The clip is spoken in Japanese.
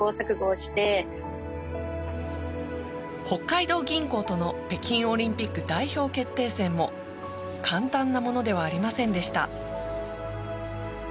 北海道銀行との北京オリンピック代表決定戦も簡単なものではありませんでした。